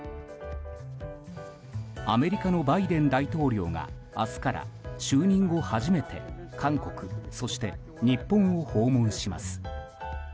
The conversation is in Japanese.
アメリカのバイデン大統領が明日から就任後初めて韓国、そして日本を訪問します。